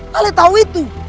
kalian tahu itu